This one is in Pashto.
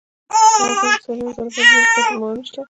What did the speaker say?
افغانستان کې د سیلانی ځایونه لپاره دپرمختیا پروګرامونه شته.